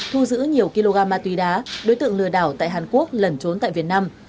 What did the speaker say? thu giữ nhiều kg ma túy đá đối tượng lừa đảo tại hàn quốc lẩn trốn tại việt nam